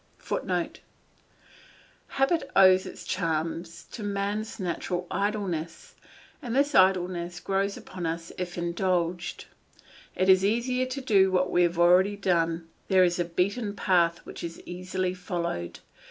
[Footnote: Habit owes its charm to man's natural idleness, and this idleness grows upon us if indulged; it is easier to do what we have already done, there is a beaten path which is easily followed.